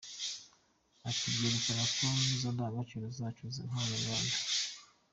Ati “Byerekana za ndangagaciro zacu nk’Abanyarwanda”.